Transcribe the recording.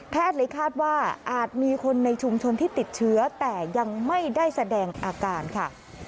เลยคาดว่าอาจมีคนในชุมชนที่ติดเชื้อแต่ยังไม่ได้แสดงอาการค่ะ